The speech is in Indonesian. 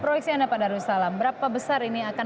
proyeksi anda pak darussalam berapa besar ini akan